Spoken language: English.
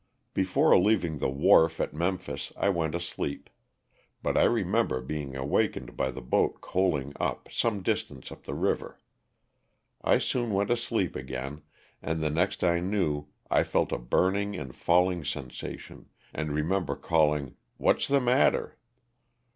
Before leaving the wharf at Memphis I went asleep, but I remember being awakened by the boat coaling up, some distance up the river. I soon went asleep again, and the next I knew I felt a burning and falling sensation and remember calling *' What's the matter?"